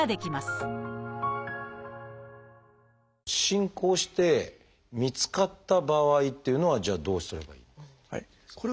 進行して見つかった場合っていうのはじゃあどうすればいいのかっていう。